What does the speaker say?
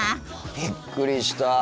びっくりした。